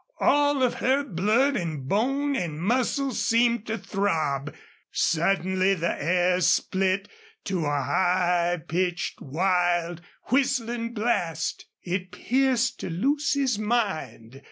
All of her blood and bone and muscle seemed to throb. Suddenly the air split to a high pitched, wild, whistling blast. It pierced to Lucy's mind.